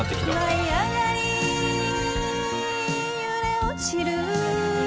舞い上がり揺れ墜ちる